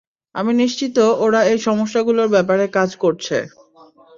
আমি নিশ্চিত, ওরা এই সমস্যাগুলোর ব্যাপারে কাজ করছে।